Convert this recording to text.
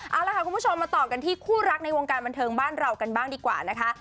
เอาล่ะค่ะคุณผู้ชมมาต่อกันที่คู่รักในวงการบันเทิงบ้านเรากันบ้างดีกว่านะคะ